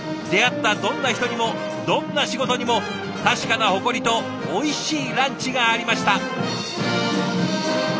出会ったどんな人にもどんな仕事にも確かな誇りとおいしいランチがありました。